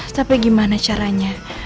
tapi gimana caranya